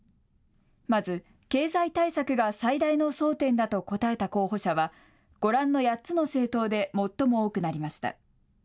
まず、経済対策が最大の争点だと答えた候補者は、ご覧の８つの政党で最も多くなりました。